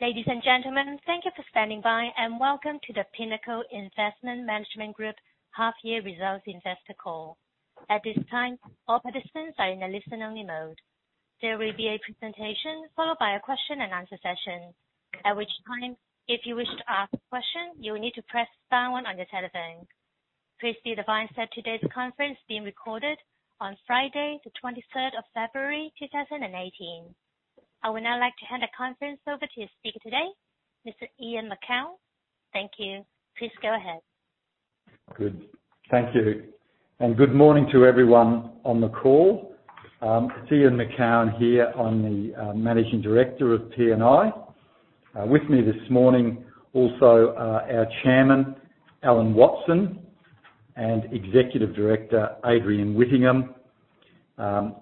Ladies and gentlemen, thank you for standing by, and welcome to the Pinnacle Investment Management Group half-year results investor call. At this time, all participants are in a listen-only mode. There will be a presentation followed by a question and answer session. At which time, if you wish to ask a question, you will need to press star one on your telephone. Please be advised that today's conference is being recorded on Friday the 23rd of February 2018. I would now like to hand the conference over to your speaker today, Mr. Ian Macoun. Thank you. Please go ahead. Good. Thank you. Good morning to everyone on the call. It's Ian Macoun here. I'm the Managing Director of PNI. With me this morning also are our Chairman, Alan Watson, and Executive Director, Adrian Whittingham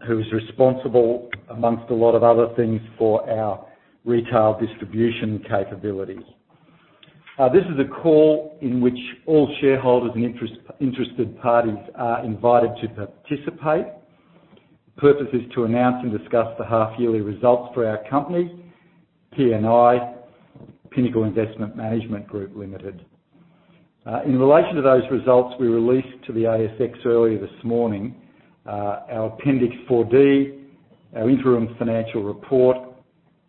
who's responsible, amongst a lot of other things, for our retail distribution capabilities. This is a call in which all shareholders and interested parties are invited to participate. The purpose is to announce and discuss the half-yearly results for our company, PNI, Pinnacle Investment Management Group Limited. In relation to those results we released to the ASX earlier this morning, our Appendix 4D, our interim financial report,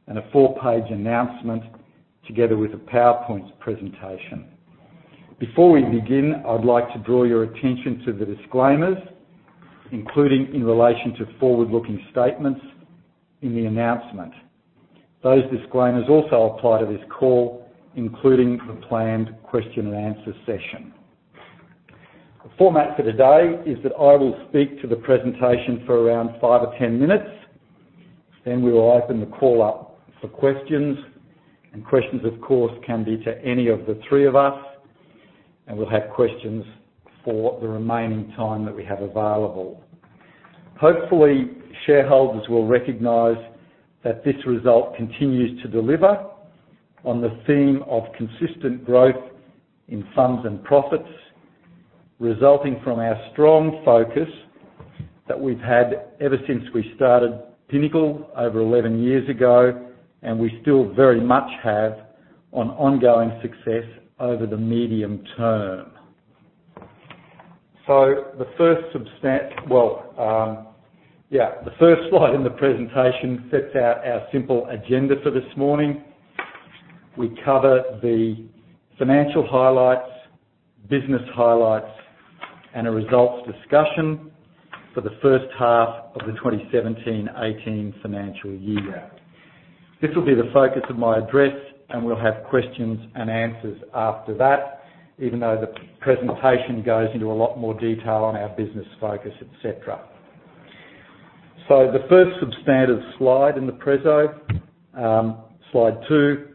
and a four-page announcement together with a PowerPoint presentation. Before we begin, I'd like to draw your attention to the disclaimers, including in relation to forward-looking statements in the announcement. Those disclaimers also apply to this call, including the planned question and answer session. The format for today is that I will speak to the presentation for around five or 10 minutes, then we will open the call up for questions. Questions, of course, can be to any of the three of us, and we'll have questions for the remaining time that we have available. Hopefully, shareholders will recognize that this result continues to deliver on the theme of consistent growth in funds and profits resulting from our strong focus that we've had ever since we started Pinnacle over 11 years ago, and we still very much have on ongoing success over the medium term. The first slide in the presentation sets out our simple agenda for this morning. We cover the financial highlights, business highlights, and a results discussion for the first half of the 2017-2018 financial year. This will be the focus of my address. We'll have questions and answers after that, even though the presentation goes into a lot more detail on our business focus, et cetera. The first substantive slide in the preso, slide two,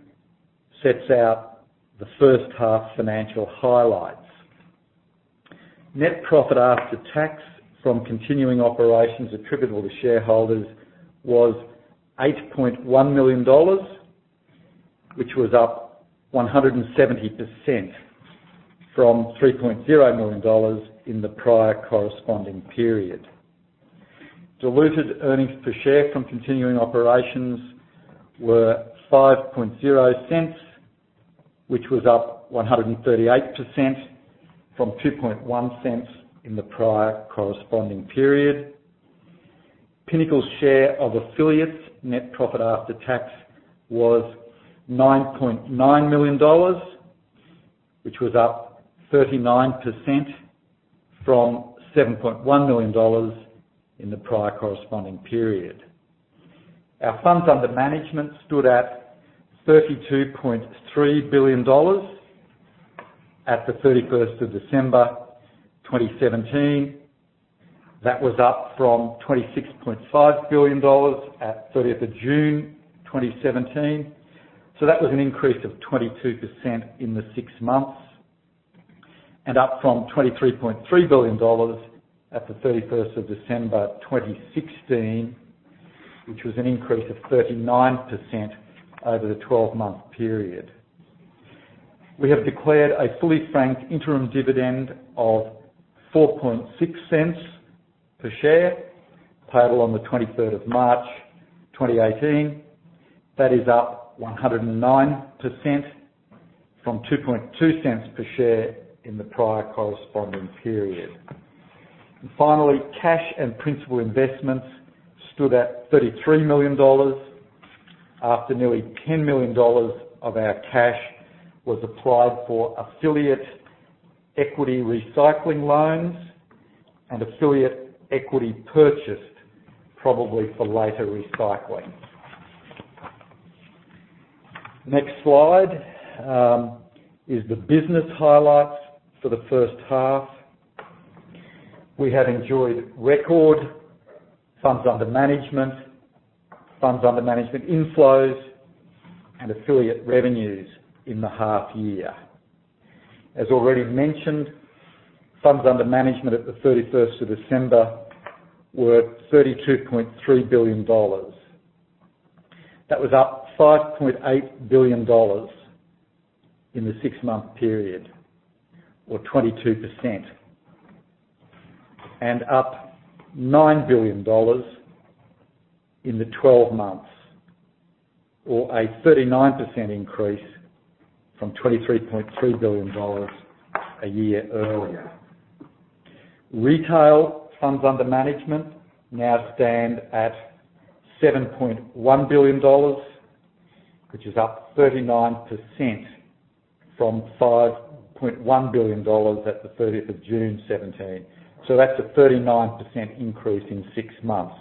sets out the first half financial highlights. Net profit after tax from continuing operations attributable to shareholders was 8.1 million dollars, which was up 170% from 3.0 million dollars in the prior corresponding period. Diluted earnings per share from continuing operations were 0.05, which was up 138% from 0.021 in the prior corresponding period. Pinnacle's share of affiliates net profit after tax was 9.9 million dollars, which was up 39% from 7.1 million dollars in the prior corresponding period. Our funds under management stood at 32.3 billion dollars at the 31st of December 2017. That was up from AUD 26.5 billion at 30th of June 2017. That was an increase of 22% in the six months, and up from 23.3 billion dollars at the 31st of December 2016, which was an increase of 39% over the 12-month period. We have declared a fully franked interim dividend of 0.046 per share payable on the 23rd of March 2018. That is up 109% from 0.022 per share in the prior corresponding period. Finally, cash and principal investments stood at 33 million dollars after nearly 10 million dollars of our cash was applied for affiliate equity recycling loans and affiliate equity purchased probably for later recycling. Next slide is the business highlights for the first half. We have enjoyed record funds under management, funds under management inflows, and affiliate revenues in the half year. As already mentioned, funds under management at the 31st of December were AUD 32.3 billion. That was up AUD 5.8 billion in the six-month period or 22%. Up 9 billion dollars in the 12 months or a 39% increase from 23.3 billion dollars a year earlier. Retail funds under management now stand at 7.1 billion dollars, which is up 39% from 5.1 billion dollars at the 30th of June 2017. That's a 39% increase in six months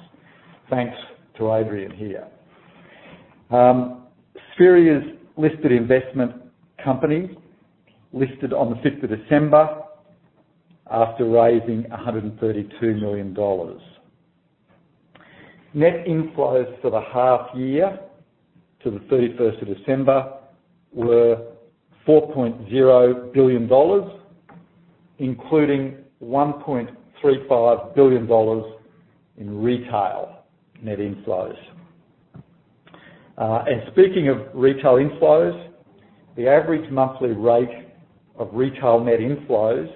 thanks to Adrian here. Spheria's listed investment company listed on the 5th of December after raising AUD 132 million. Net inflows for the half year to the 31st of December were 4.0 billion dollars, including 1.35 billion dollars in retail net inflows. Speaking of retail inflows, the average monthly rate of retail net inflows,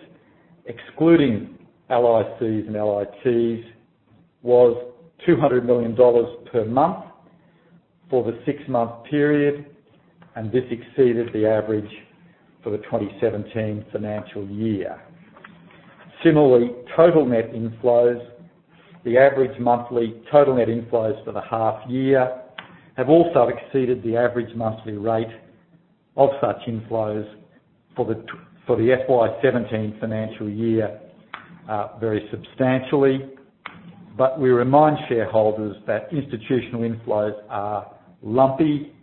excluding LICs and LITs, was 200 million dollars per month for the six-month period, and this exceeded the average for the 2017 financial year. Similarly, total net inflows, the average monthly total net inflows for the half year have also exceeded the average monthly rate of such inflows for the FY 2017 financial year very substantially. We remind shareholders that institutional inflows are lumpy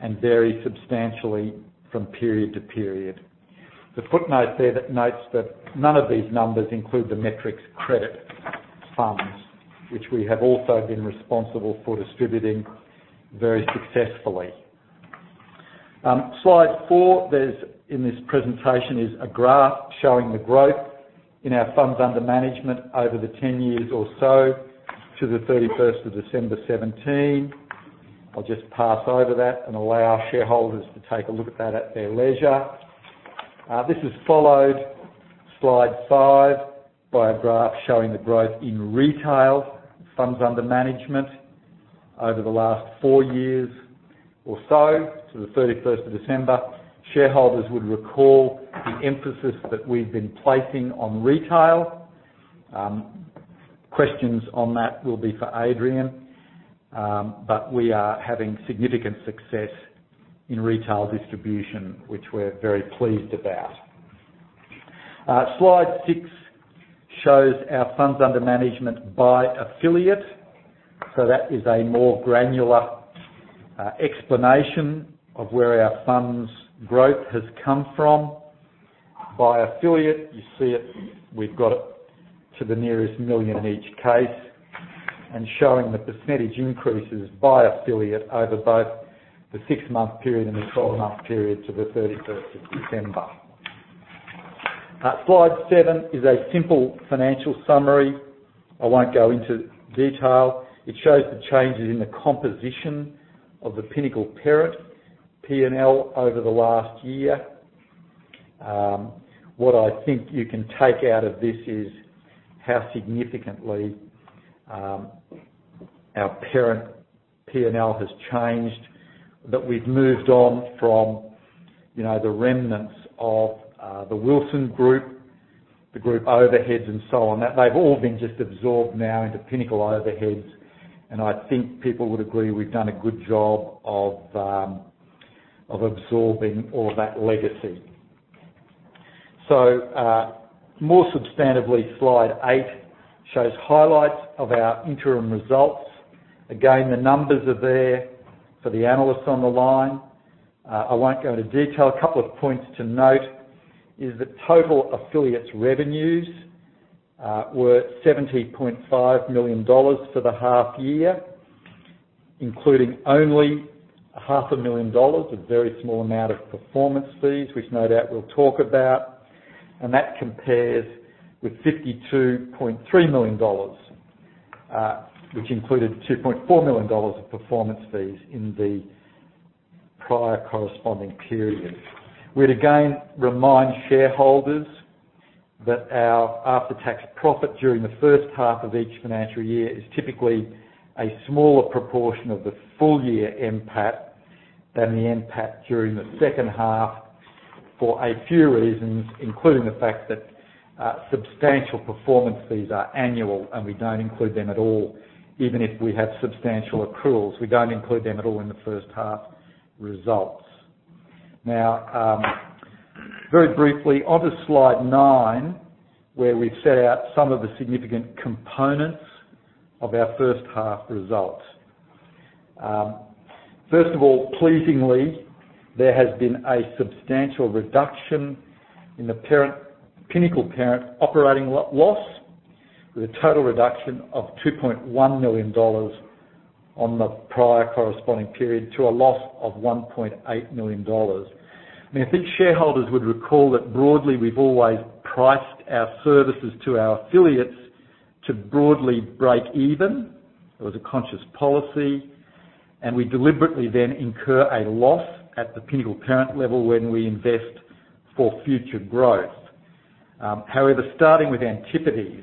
and vary substantially from period to period. The footnote there that notes that none of these numbers include the Metrics Credit funds, which we have also been responsible for distributing very successfully. Slide four in this presentation is a graph showing the growth in our funds under management over the 10 years or so to the 31st of December 2017. I'll just pass over that and allow shareholders to take a look at that at their leisure. This is followed, slide five, by a graph showing the growth in retail funds under management over the last four years or so to the 31st of December. Shareholders would recall the emphasis that we've been placing on retail. Questions on that will be for Adrian, but we are having significant success in retail distribution, which we're very pleased about. Slide six shows our funds under management by affiliate. That is a more granular explanation of where our funds growth has come from. By affiliate, you see it, we've got it to the nearest million in each case and showing the percentage increases by affiliate over both the six-month period and the 12-month period to the 31st of December. Slide seven is a simple financial summary. I won't go into detail. It shows the changes in the composition of the Pinnacle parent P&L over the last year. What I think you can take out of this is how significantly our parent P&L has changed. That we've moved on from the remnants of the Wilson Group, the group overheads and so on. They've all been just absorbed now into Pinnacle overheads, and I think people would agree we've done a good job of absorbing all of that legacy. More substantively, slide eight shows highlights of our interim results. Again, the numbers are there for the analysts on the line. I won't go into detail. A couple of points to note is that total affiliates revenues were 70.5 million dollars for the half year, including only 500,000 dollars, a very small amount of performance fees, which no doubt we'll talk about, and that compares with 52.3 million dollars, which included 2.4 million dollars of performance fees in the prior corresponding period. We'd again remind shareholders that our after-tax profit during the first half of each financial year is typically a smaller proportion of the full year NPAT than the NPAT during the second half for a few reasons, including the fact that substantial performance fees are annual, and we don't include them at all. Even if we have substantial accruals, we don't include them at all in the first half results. Very briefly, on to slide nine, where we've set out some of the significant components of our first half results. First of all, pleasingly, there has been a substantial reduction in the Pinnacle parent operating loss with a total reduction of 2.1 million dollars on the prior corresponding period to a loss of 1.8 million dollars. I think shareholders would recall that broadly we've always priced our services to our affiliates to broadly break even. It was a conscious policy. We deliberately then incur a loss at the Pinnacle parent level when we invest for future growth. However, starting with Antipodes,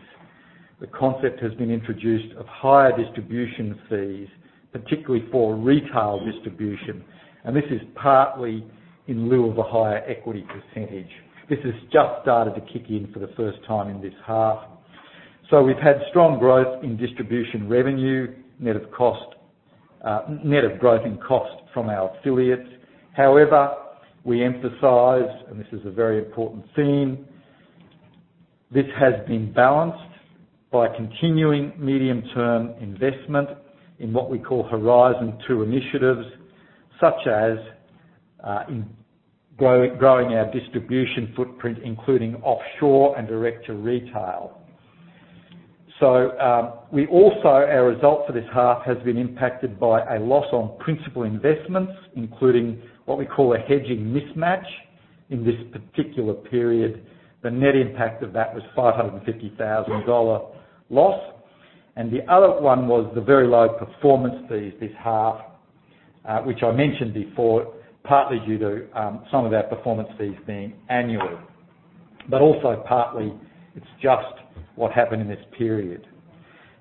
the concept has been introduced of higher distribution fees, particularly for retail distribution, and this is partly in lieu of a higher equity percentage. This has just started to kick in for the first time in this half. We've had strong growth in distribution revenue, net of growth in cost from our affiliates. We emphasize, and this is a very important theme, this has been balanced by continuing medium-term investment in what we call Horizon 2 initiatives, such as growing our distribution footprint including offshore and direct to retail. Also our results for this half has been impacted by a loss on principal investments, including what we call a hedging mismatch in this particular period. The net impact of that was an 550,000 dollar loss. The other one was the very low performance fees this half, which I mentioned before, partly due to some of our performance fees being annual, but also partly it's just what happened in this period.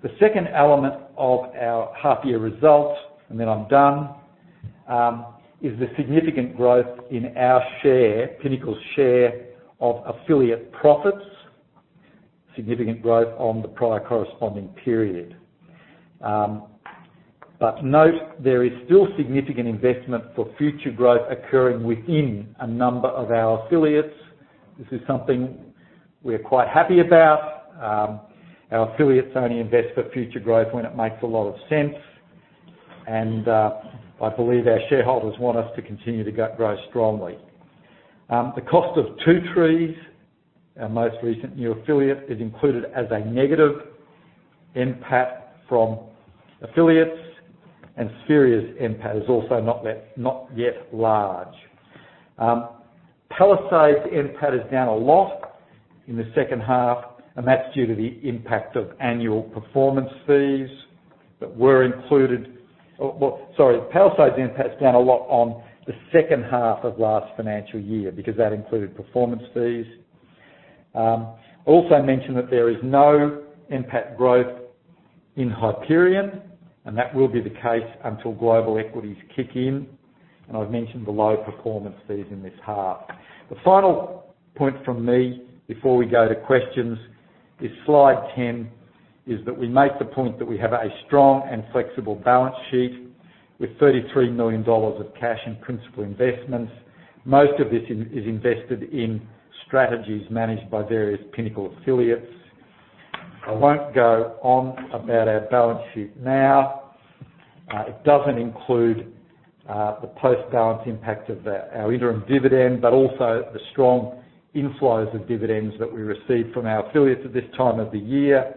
The second element of our half year results, and then I'm done, is the significant growth in our share, Pinnacle's share, of affiliate profits. Significant growth on the prior corresponding period. Note there is still significant investment for future growth occurring within a number of our affiliates. This is something we're quite happy about. Our affiliates only invest for future growth when it makes a lot of sense and I believe our shareholders want us to continue to grow strongly. The cost of Two Trees, our most recent new affiliate, is included as a negative NPAT from affiliates and Spheria's NPAT is also not yet large. Palisade's NPAT is down a lot in the second half, and that's due to the impact of annual performance fees that were included. Sorry. Palisade's NPAT is down a lot on the second half of last financial year because that included performance fees. Also mentioned that there is no NPAT growth in Hyperion and that will be the case until global equities kick in and I've mentioned the low performance fees in this half. The final point from me before we go to questions is slide 10, is that we make the point that we have a strong and flexible balance sheet with 33 million dollars of cash and principal investments. Most of this is invested in strategies managed by various Pinnacle affiliates. I won't go on about our balance sheet now. It doesn't include the post-balance impact of our interim dividend, also the strong inflows of dividends that we receive from our affiliates at this time of the year.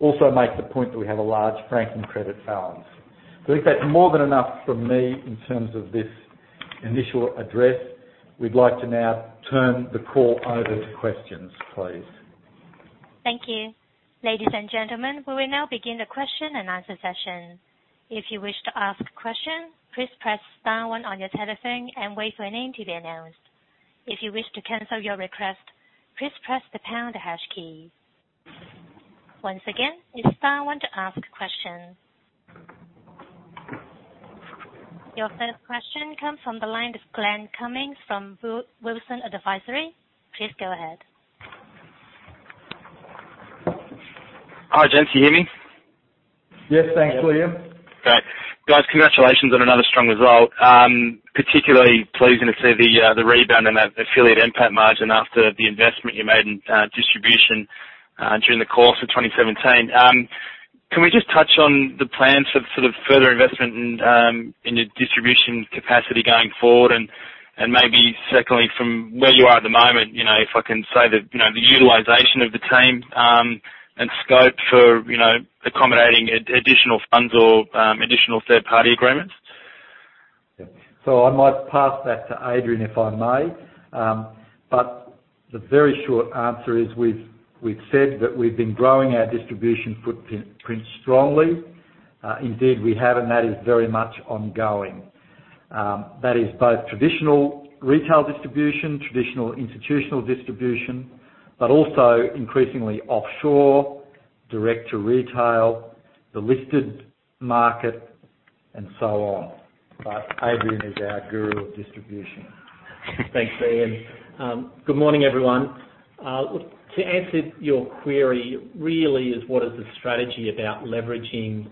Also make the point that we have a large franking credit balance. With that, more than enough from me in terms of this initial address. We'd like to now turn the call over to questions, please. Thank you. Ladies and gentlemen, we will now begin the question and answer session. If you wish to ask a question, please press star one on your telephone and wait for your name to be announced. If you wish to cancel your request, please press the pound or hash key. Once again, it's star one to ask questions. Your first question comes from the line of Glenn Cummings from Wilsons Advisory. Please go ahead. Hi, gents. You hear me? Yes, thanks, Glenn. Great. Guys, congratulations on another strong result. Particularly pleasing to see the rebound in that affiliate NPAT margin after the investment you made in distribution during the course of 2017. Can we just touch on the plans for further investment in your distribution capacity going forward and maybe secondly from where you are at the moment, if I can say, the utilization of the team and scope for accommodating additional funds or additional third-party agreements? I might pass that to Adrian if I may. The very short answer is we've said that we've been growing our distribution footprint strongly. Indeed we have and that is very much ongoing. That is both traditional retail distribution, traditional institutional distribution, but also increasingly offshore, direct to retail, the listed market and so on. Adrian is our guru of distribution. Thanks, Ian. Good morning, everyone. To answer your query really is what is the strategy about leveraging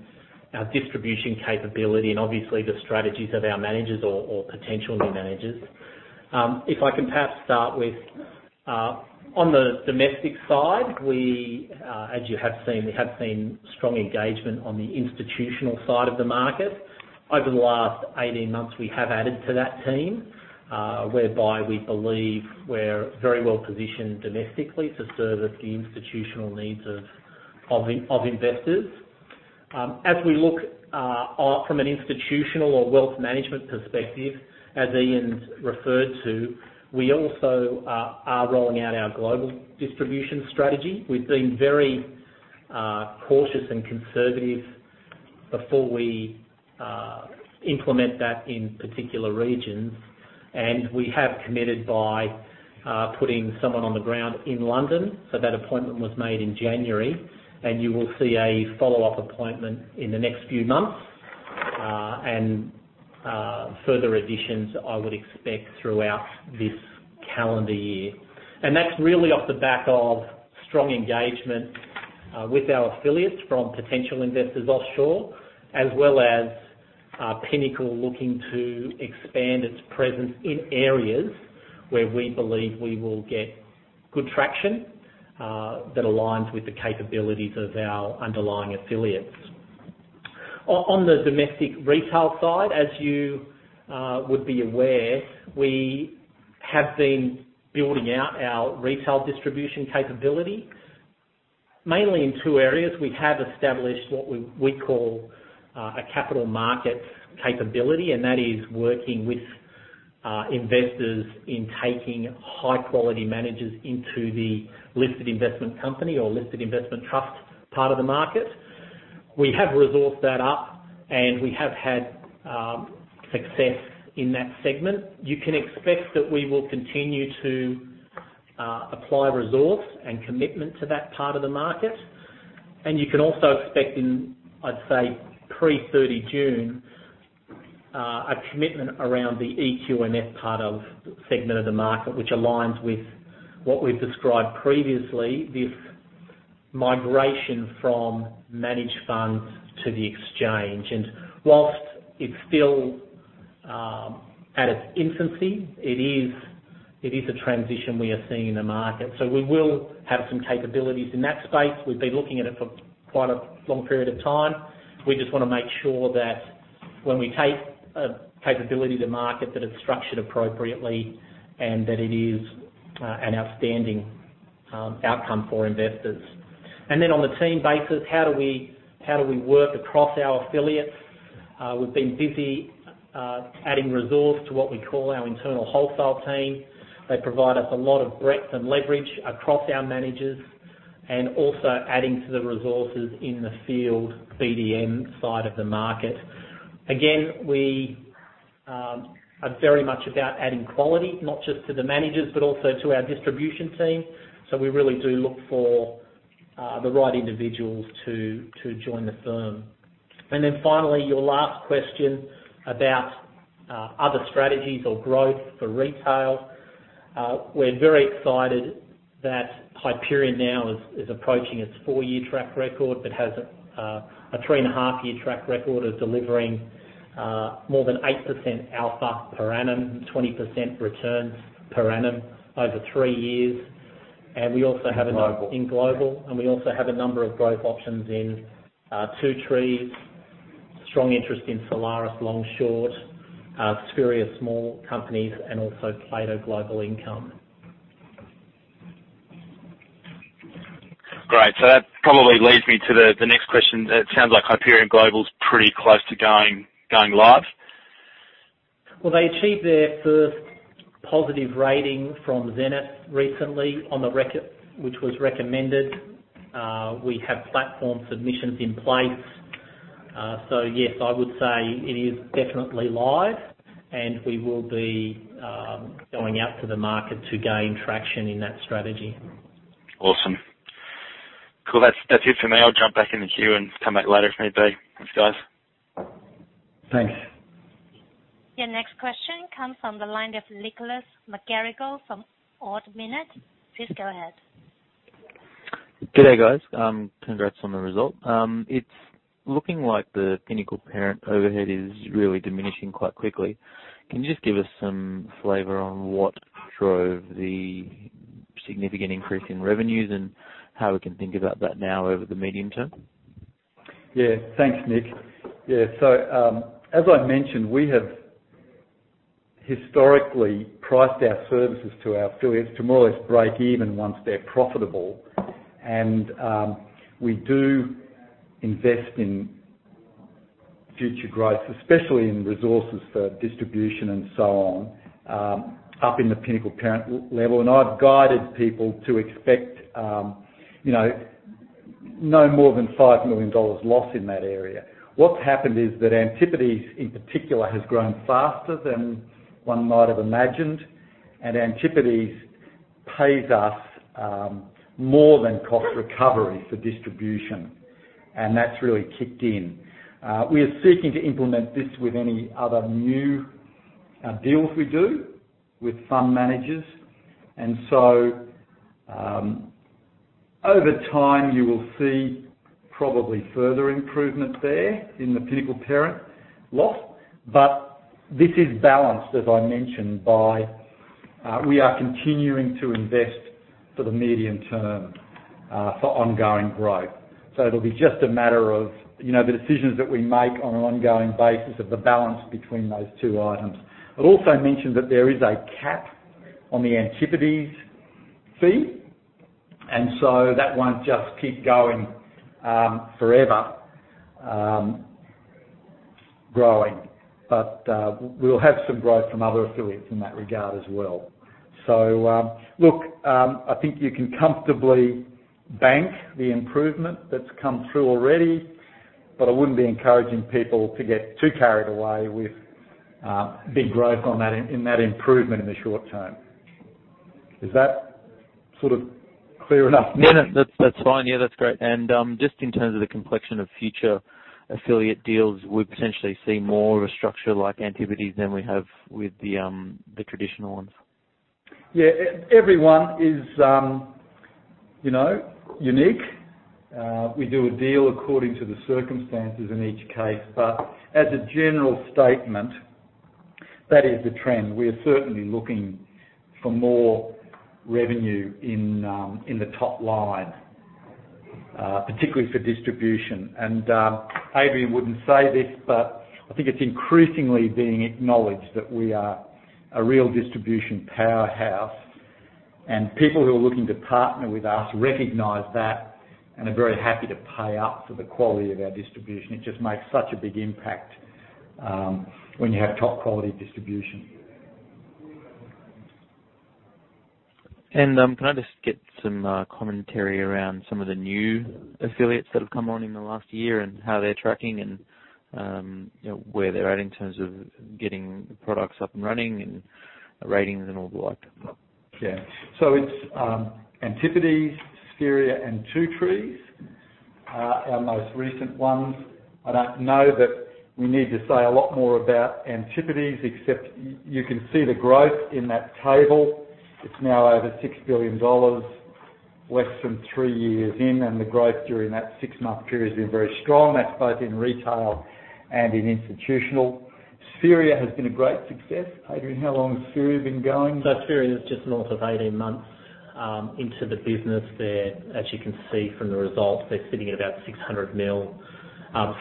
our distribution capability and obviously the strategies of our managers or potential new managers. If I can perhaps start with, on the domestic side, as you have seen, we have seen strong engagement on the institutional side of the market. Over the last 18 months, we have added to that team, whereby we believe we're very well positioned domestically to service the institutional needs of investors. As we look from an institutional or wealth management perspective, as Ian's referred to, we also are rolling out our global distribution strategy. We've seen very cautious and conservative before we implement that in particular regions. We have committed by putting someone on the ground in London. That appointment was made in January. You will see a follow-up appointment in the next few months, and further additions I would expect throughout this calendar year. That's really off the back of strong engagement with our affiliates from potential investors offshore, as well as Pinnacle looking to expand its presence in areas where we believe we will get good traction that aligns with the capabilities of our underlying affiliates. On the domestic retail side, as you would be aware, we have been building out our retail distribution capability, mainly in two areas. We have established what we call a capital market capability, and that is working with investors in taking high-quality managers into the listed investment company or listed investment trust part of the market. We have resourced that up, and we have had success in that segment. You can expect that we will continue to apply resource and commitment to that part of the market. You can also expect in, I'd say, pre-30 June, a commitment around the EQMF part of segment of the market, which aligns with what we've described previously, this migration from managed funds to the exchange. Whilst it's still at its infancy, it is a transition we are seeing in the market. We will have some capabilities in that space. We've been looking at it for quite a long period of time. We just want to make sure that when we take a capability to market, that it's structured appropriately and that it is an outstanding outcome for investors. Then on the team basis, how do we work across our affiliates? We've been busy adding resource to what we call our internal wholesale team. They provide us a lot of breadth and leverage across our managers. Also adding to the resources in the field BDM side of the market. Again, we are very much about adding quality, not just to the managers, but also to our distribution team. We really do look for the right individuals to join the firm. Then finally, your last question about other strategies or growth for retail. We're very excited that Hyperion now is approaching its four-year track record but has a three-and-a-half-year track record of delivering more than 8% alpha per annum, 20% returns per annum over three years. We also have. In global. in global, we also have a number of growth options in Two Trees, strong interest in Solaris long short, Spheria small companies, and also Plato Global Income. Great. That probably leads me to the next question. It sounds like Hyperion Global is pretty close to going live. Well, they achieved their first positive rating from Zenith recently which was recommended. We have platform submissions in place. Yes, I would say it is definitely live, and we will be going out to the market to gain traction in that strategy. Awesome. Cool. That's it for me. I'll jump back in the queue and come back later if need be. Thanks, guys. Thanks. Your next question comes from the line of Nicholas McGarrigle from Ord Minnett. Please go ahead. Good day, guys. Congrats on the result. It's looking like the Pinnacle Parent overhead is really diminishing quite quickly. Can you just give us some flavor on what drove the significant increase in revenues and how we can think about that now over the medium term? Thanks, Nick. As I mentioned, we have historically priced our services to our affiliates to more or less break even once they're profitable. We do invest in future growth, especially in resources for distribution and so on, up in the Pinnacle Parent level. I've guided people to expect no more than 5 million dollars loss in that area. What's happened is that Antipodes, in particular, has grown faster than one might have imagined. Antipodes pays us more than cost recovery for distribution, and that's really kicked in. We are seeking to implement this with any other new deals we do with fund managers. Over time, you will see probably further improvement there in the Pinnacle Parent loss. This is balanced, as I mentioned, by we are continuing to invest for the medium term for ongoing growth. It'll be just a matter of the decisions that we make on an ongoing basis of the balance between those two items. I'd also mention that there is a cap on the Antipodes fee, that won't just keep going. Growing. We'll have some growth from other affiliates in that regard as well. Look, I think you can comfortably bank the improvement that's come through already, but I wouldn't be encouraging people to get too carried away with big growth in that improvement in the short term. Is that sort of clear enough, Nick? Yeah, that's fine. Yeah, that's great. Just in terms of the complexion of future affiliate deals, we potentially see more of a structure like Antipodes than we have with the traditional ones. Yeah. Everyone is unique. We do a deal according to the circumstances in each case. As a general statement, that is the trend. We are certainly looking for more revenue in the top line, particularly for distribution. Adrian wouldn't say this, but I think it's increasingly being acknowledged that we are a real distribution powerhouse and people who are looking to partner with us recognize that and are very happy to pay up for the quality of our distribution. It just makes such a big impact when you have top-quality distribution. Can I just get some commentary around some of the new affiliates that have come on in the last year and how they're tracking and where they're at in terms of getting the products up and running and ratings and all the like? It's Antipodes, Spheria, and Two Trees are our most recent ones. I don't know that we need to say a lot more about Antipodes except you can see the growth in that table. It's now over 6 billion dollars less than 3 years in, the growth during that 6-month period has been very strong. That's both in retail and in institutional. Spheria has been a great success. Adrian, how long has Spheria been going? Spheria is just north of 18 months into the business there. As you can see from the results, they're sitting at about 600 million.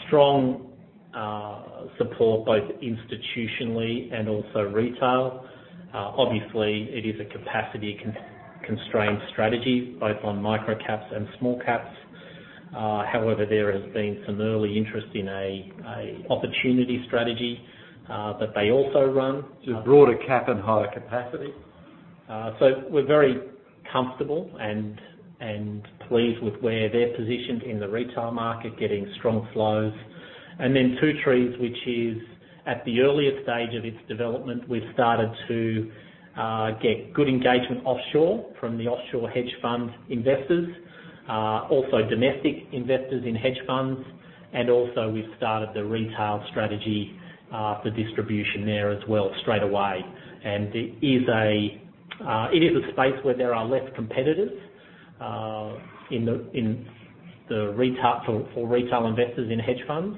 Strong support both institutionally and also retail. Obviously, it is a capacity-constrained strategy both on micro-caps and small caps. There has been some early interest in an opportunity strategy that they also run. Broader cap and higher capacity. We're very comfortable and pleased with where they're positioned in the retail market, getting strong flows. Two Trees, which is at the earliest stage of its development. We've started to get good engagement offshore from the offshore hedge fund investors. Also domestic investors in hedge funds, we've started the retail strategy for distribution there as well straight away. It is a space where there are less competitors for retail investors in hedge funds.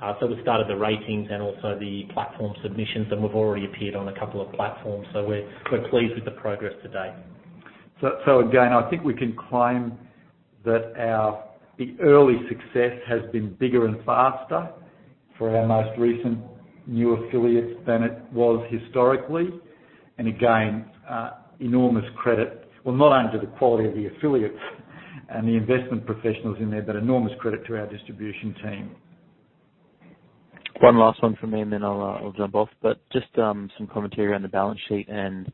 We've started the ratings and also the platform submissions, we've already appeared on a couple of platforms, we're pleased with the progress to date. Again, I think we can claim that the early success has been bigger and faster for our most recent new affiliates than it was historically. Again, enormous credit, well, not only to the quality of the affiliates and the investment professionals in there, but enormous credit to our distribution team. One last one from me and then I'll jump off, but just some commentary on the balance sheet and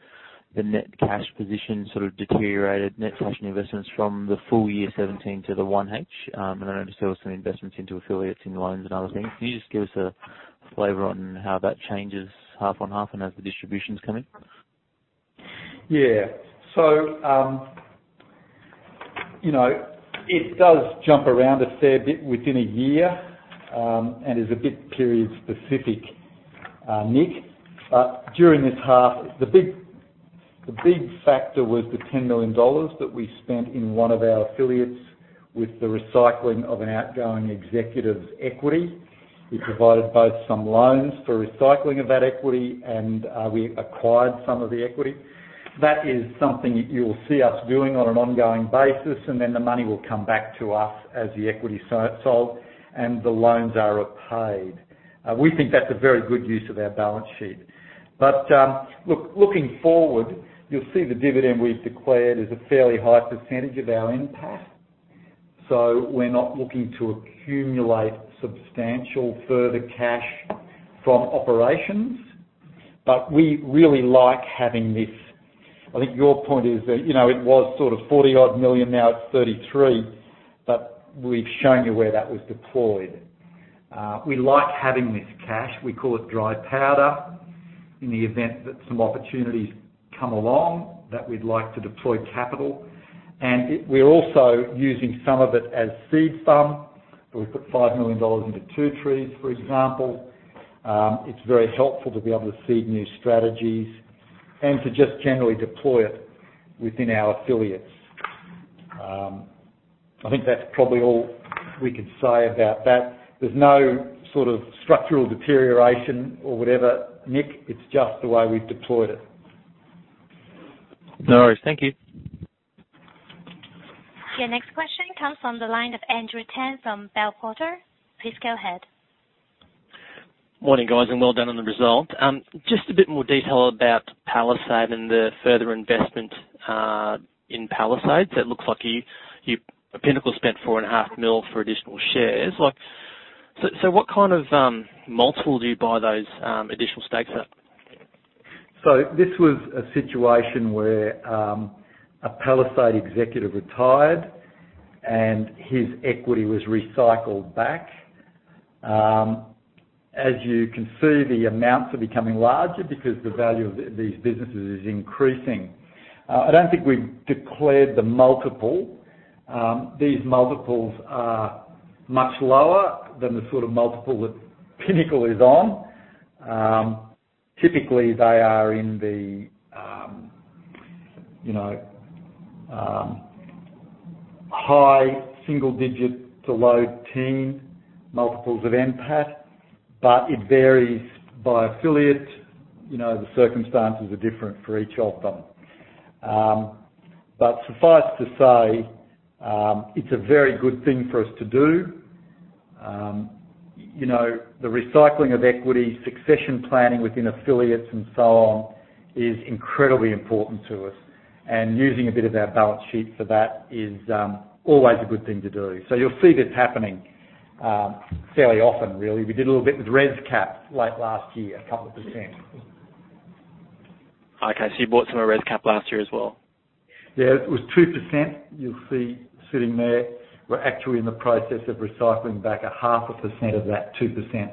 the net cash position sort of deteriorated net cash and investments from the FY 2017 to the 1H. I know there were some investments into affiliates in loans and other things. Can you just give us a flavor on how that changes half on half and as the distributions come in? Yeah. It does jump around a fair bit within a year, and is a bit period-specific, Nick. During this half, the big factor was the 10 million dollars that we spent in one of our affiliates with the recycling of an outgoing executive's equity. We provided both some loans for recycling of that equity and we acquired some of the equity. That is something you'll see us doing on an ongoing basis, and then the money will come back to us as the equity is sold and the loans are repaid. We think that's a very good use of our balance sheet. Look, looking forward, you'll see the dividend we've declared is a fairly high percentage of our NPAT. We're not looking to accumulate substantial further cash from operations, but we really like having this. I think your point is that it was sort of 40-odd million, now it's 33, but we've shown you where that was deployed. We like having this cash. We call it dry powder, in the event that some opportunities come along that we'd like to deploy capital and we're also using some of it as seed fund. We put 5 million dollars into Two Trees, for example. It's very helpful to be able to seed new strategies and to just generally deploy it within our affiliates. I think that's probably all we could say about that. There's no sort of structural deterioration or whatever, Nick. It's just the way we've deployed it. No worries. Thank you. Your next question comes from the line of Andrew Tan from Bell Potter. Please go ahead. Morning, guys, well done on the result. Just a bit more detail about Palisade and the further investment in Palisade. It looks like Pinnacle spent four and a half mil for additional shares. What kind of multiple do you buy those additional stakes at? This was a situation where a Palisade executive retired and his equity was recycled back. As you can see, the amounts are becoming larger because the value of these businesses is increasing. I don't think we've declared the multiple. These multiples are much lower than the sort of multiple that Pinnacle is on. Typically, they are in the high single digit to low teen multiples of NPAT, but it varies by affiliate. The circumstances are different for each of them. Suffice to say, it's a very good thing for us to do. The recycling of equity, succession planning within affiliates and so on is incredibly important to us, and using a bit of our balance sheet for that is always a good thing to do. You'll see this happening fairly often, really. We did a little bit with ResCap late last year, a couple of %. Okay, you bought some of ResCap last year as well? Yeah, it was 2% you'll see sitting there. We're actually in the process of recycling back a half a percent of that 2%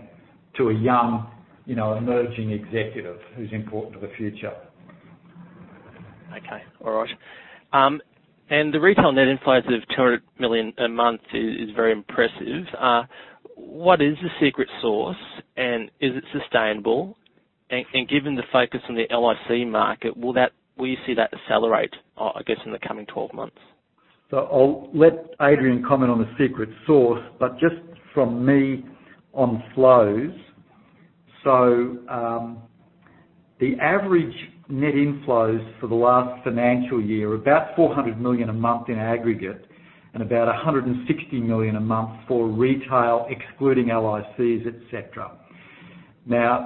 to a young, emerging executive who's important to the future. Okay. All right. The retail net inflows of 200 million a month is very impressive. What is the secret sauce and is it sustainable? Given the focus on the LIC market, will you see that accelerate, I guess, in the coming 12 months? I'll let Adrian comment on the secret sauce, but just from me on flows. The average net inflows for the last financial year are about 400 million a month in aggregate and about 160 million a month for retail, excluding LICs, et cetera.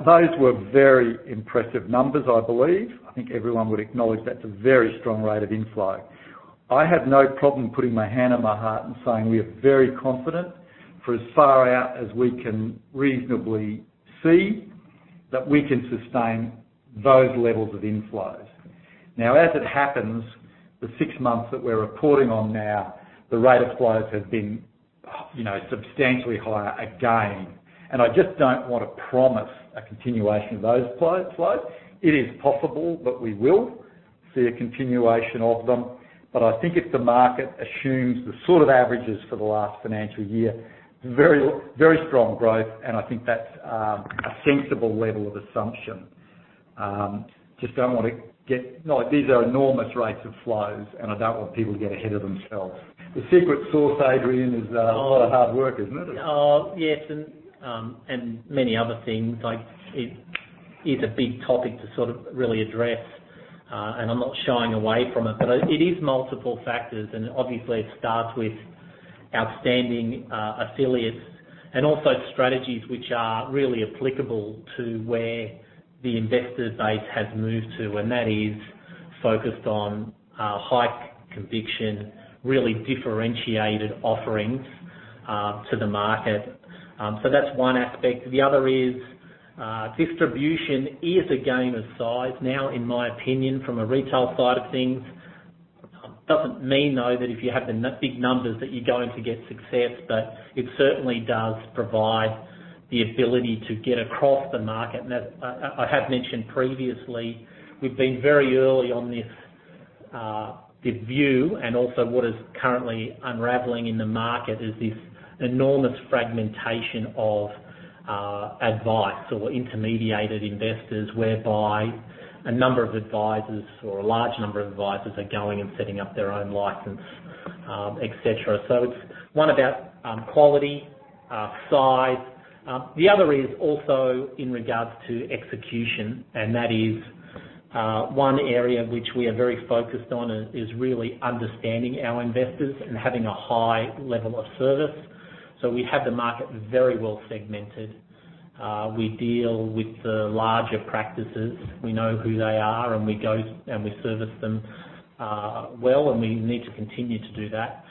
Those were very impressive numbers, I believe. I think everyone would acknowledge that's a very strong rate of inflow. I have no problem putting my hand on my heart and saying we are very confident for as far out as we can reasonably see that we can sustain those levels of inflows. As it happens, the six months that we're reporting on now, the rate of flows has been substantially higher again. I just don't want to promise a continuation of those flows. It is possible that we will see a continuation of them, I think if the market assumes the sort of averages for the last financial year, very strong growth and I think that's a sensible level of assumption. These are enormous rates of flows and I don't want people to get ahead of themselves. The secret sauce, Adrian, is a lot of hard work, isn't it? Yes, many other things. It is a big topic to sort of really address, I'm not shying away from it. It is multiple factors, Obviously it starts with outstanding affiliates and also strategies which are really applicable to where the investor base has moved to, and that is focused on high conviction, really differentiated offerings to the market. That's one aspect. The other is distribution is a game of size now, in my opinion, from a retail side of things. Doesn't mean, though, that if you have the big numbers that you're going to get success, it certainly does provide the ability to get across the market. I have mentioned previously, we've been very early on this view and also what is currently unraveling in the market is this enormous fragmentation of advice or intermediated investors, whereby a number of advisors or a large number of advisors are going and setting up their own license, et cetera. It's one about quality, size. The other is also in regards to execution, That is one area which we are very focused on is really understanding our investors and having a high level of service. We have the market very well segmented. We deal with the larger practices. We know who they are and we service them well and we need to continue to do that.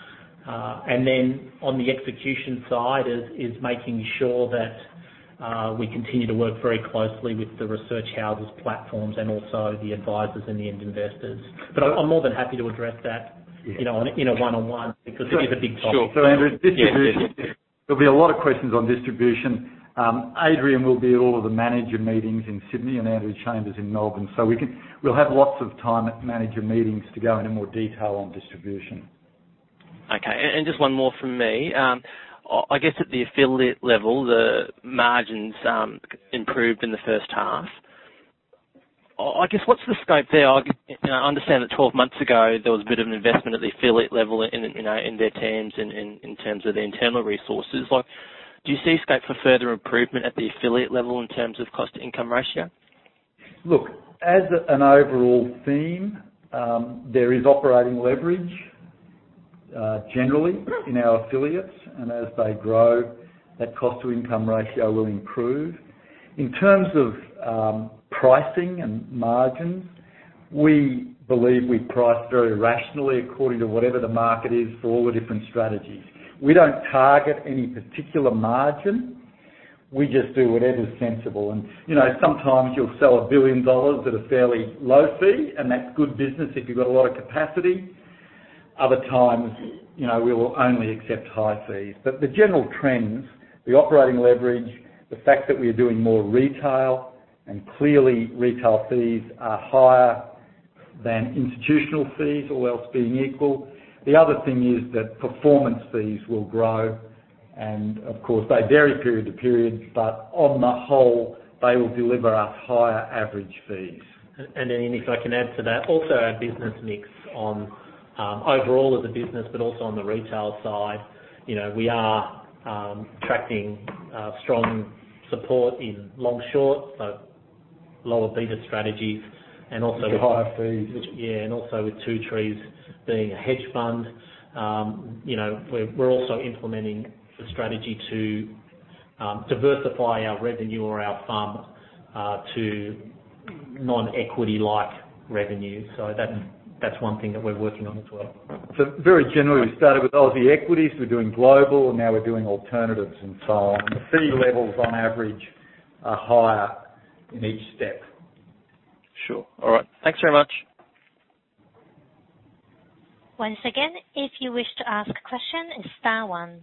Then on the execution side is making sure that we continue to work very closely with the research houses, platforms and also the advisors and the end investors. I'm more than happy to address that in a one-on-one because it is a big topic. Sure. Andrew, distribution. There'll be a lot of questions on distribution. Adrian will be at all of the manager meetings in Sydney and Andrew Chambers in Melbourne. We'll have lots of time at manager meetings to go into more detail on distribution. Okay. Just one more from me. I guess at the affiliate level, the margins improved in the first half. I guess what's the scope there? I understand that 12 months ago, there was a bit of an investment at the affiliate level in their teams in terms of their internal resources. Do you see scope for further improvement at the affiliate level in terms of cost-to-income ratio? Look, as an overall theme, there is operating leverage generally in our affiliates, and as they grow, that cost-to-income ratio will improve. In terms of pricing and margins, we believe we price very rationally according to whatever the market is for all the different strategies. We don't target any particular margin. We just do whatever's sensible. Sometimes you'll sell 1 billion dollars at a fairly low fee, and that's good business if you've got a lot of capacity. Other times, we'll only accept high fees. The general trends, the operating leverage, the fact that we are doing more retail, and clearly retail fees are higher than institutional fees, all else being equal. The other thing is that performance fees will grow, and of course, they vary period to period, but on the whole, they will deliver us higher average fees. If I can add to that, also our business mix on overall as a business, but also on the retail side. We are attracting strong support in long-short, so lower beta strategies and also. With higher fees. Yeah, also with Two Trees being a hedge fund. We're also implementing a strategy to diversify our revenue or our FUM to non-equity-like revenue. That's one thing that we're working on as well. Very generally, we started with Aussie equities, we're doing global, now we're doing alternatives and so on. The fee levels on average are higher in each step. Sure. All right. Thanks very much. Once again, if you wish to ask a question, it's star one.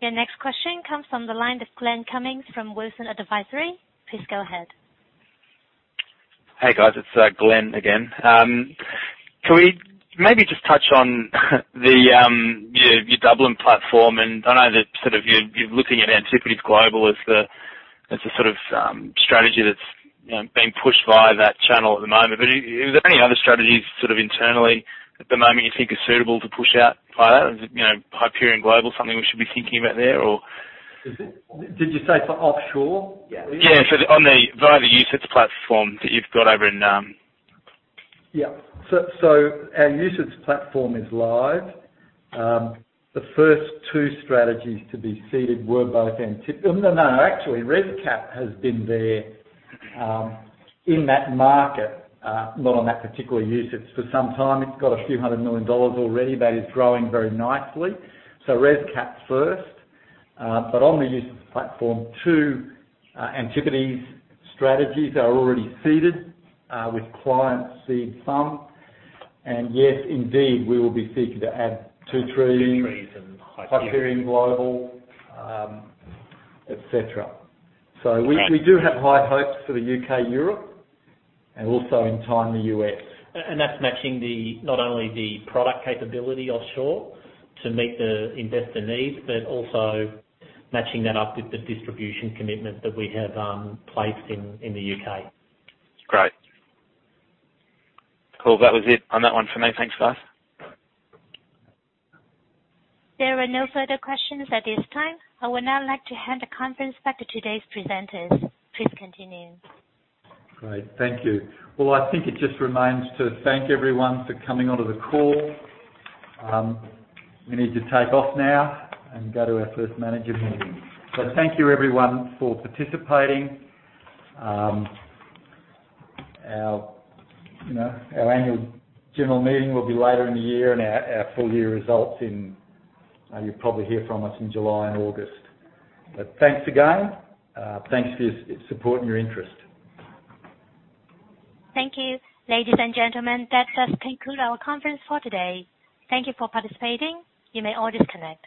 Your next question comes from the line of Glenn Cummings from Wilsons Advisory. Please go ahead. Hey, guys. It's Glenn again. Can we maybe just touch on your Dublin platform? I know that you're looking at Antipodes Global as the sort of strategy that's being pushed via that channel at the moment, is there any other strategies internally at the moment you think are suitable to push out via? Is Hyperion Global something we should be thinking about there or? Did you say for offshore? Yeah. Via the UCITS platform that you've got over in. Yeah. Our UCITS platform is live. The first two strategies to be seeded were both Antipodes. No, actually, ResCap has been there in that market, not on that particular UCITS, for some time. It's got a few hundred million AUD already. That is growing very nicely. ResCap first. On the UCITS platform, two Antipodes strategies are already seeded with client seed funds. Yes, indeed, we will be seeking to add Two Trees- Two Trees and Hyperion Hyperion Global, et cetera. We do have high hopes for the U.K., Europe, and also in time, the U.S. That's matching not only the product capability offshore to meet the investor needs but also matching that up with the distribution commitment that we have placed in the U.K. Great. Cool. That was it on that one for me. Thanks, guys. There are no further questions at this time. I would now like to hand the conference back to today's presenters. Please continue. Great. Thank you. Well, I think it just remains to thank everyone for coming onto the call. We need to take off now and go to our first manager meeting. Thank you, everyone, for participating. Our annual general meeting will be later in the year, and our full-year results in, you'll probably hear from us in July and August. Thanks again. Thanks for your support and your interest. Thank you, ladies and gentlemen. That does conclude our conference for today. Thank you for participating. You may all disconnect.